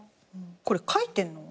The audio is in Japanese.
これ描いてんの？